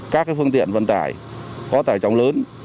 các phương tiện vận tải có tài trọng lớn